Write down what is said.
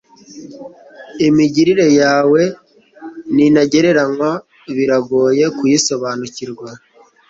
imigirire yawe ni intagereranywa biragoye kuyisobanukirwa